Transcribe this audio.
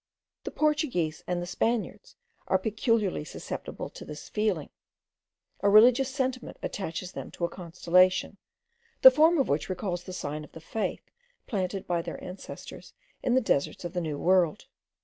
The Portuguese and the Spaniards are peculiarly susceptible of this feeling; a religious sentiment attaches them to a constellation, the form of which recalls the sign of the faith planted by their ancestors in the deserts of the New World.